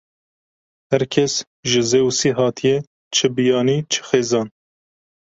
Her kes ji Zeûsî hatiye, çi biyanî, çi xêzan.